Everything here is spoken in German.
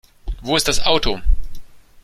Wo ist das Auto?